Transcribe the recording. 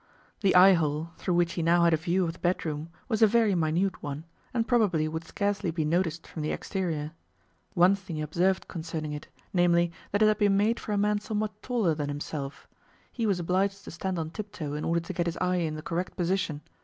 The eye hole, through which he now had a view of the bedroom, was a very minute one, and probably would scarcely be noticed from the exterior. One thing he observed concerning it, namely, that it had been made for a man somewhat taller than himself; he was obliged to stand on tiptoe in order to get his eye in the correct position.